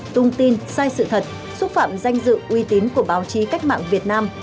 tung tin sai sự thật xúc phạm danh dự uy tín của báo chí cách mạng việt nam